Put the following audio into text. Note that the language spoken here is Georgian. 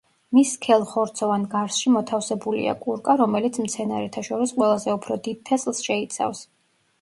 მის სქელ ხორცოვან გარსში მოთავსებულია კურკა, რომელიც მცენარეთა შორის ყველაზე უფრო დიდ თესლს შეიცავს.